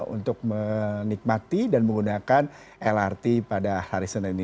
untuk menikmati dan menggunakan lrt pada hari senin ini